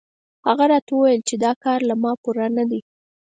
هغه راته وویل چې دا کار له ما پوره نه دی.